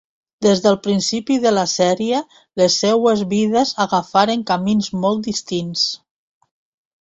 Des del principi de la sèrie, les seues vides agafaren camins molt distints.